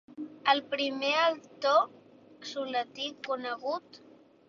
És el primer autor suletí conegut.